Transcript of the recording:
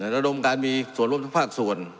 ระดมการมีส่วนร่วมทุกภาคส่วน